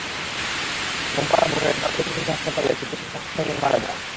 সোমবার ভোরে Dhaka medical college হাসপাতালে চিকিৎসাধীন অবস্থায় তিনি মারা যান।